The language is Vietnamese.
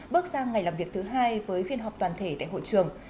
bước sang ngày làm việc thứ hai với phiên họp toàn thể tại hội trường